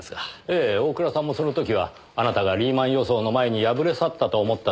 ええ大倉さんもその時はあなたがリーマン予想の前に敗れ去ったと思ったでしょうねぇ。